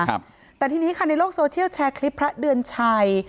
ครับแต่ทีนี้ค่ะในโลกโซเชียลแชร์คลิปพระเดือนชัย